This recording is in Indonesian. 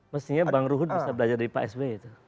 mestinya bang ruhut bisa belajar dari pak s b